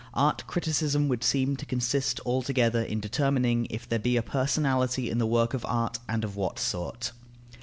Art criticism would seem to consist altogether in determining if there be a personality in the work of art, and of what sort.